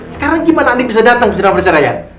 sekarang gimana andin bisa datang ke sidang perceraian